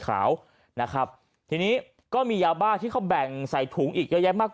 ขาวนะครับทีนี้ก็มียาบ้าที่เขาแบ่งใส่ถุงอีกเยอะแยะมาก